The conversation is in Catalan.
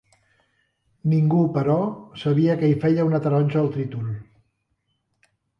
Ningú, però, sabia què hi feia una taronja al títol.